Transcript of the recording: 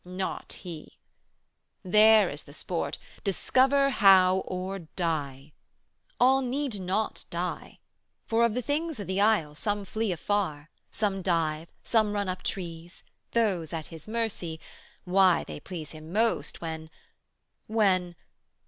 Not He! There is the sport: discover how or die! All need not die, for of the things o' the isle Some flee afar, some dive, some run up trees; 220 Those at His mercy why, they please Him most When ... when